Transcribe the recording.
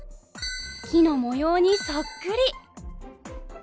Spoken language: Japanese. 木の模様にそっくり。